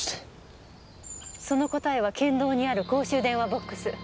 その答えは県道にある公衆電話ボックス。